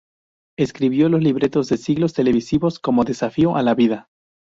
Escribió los libretos de ciclos televisivos como "Desafío a la vida".